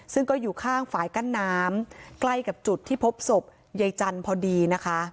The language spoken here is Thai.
ซึ่งก็อยู่ข้างฝ่ายกั้นน้ำใกล้กับจุดที่พบศพยายจันทร์พอดีนะคะ